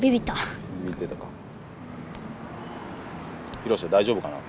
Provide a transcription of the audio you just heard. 博は大丈夫かな？